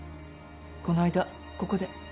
この間ここで。